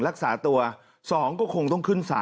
โหวตวันที่๒๒